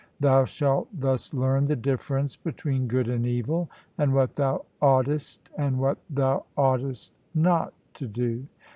Thou shalt thus learn the difference between good and evil, and what thou oughtest and what thou oughtest not to do.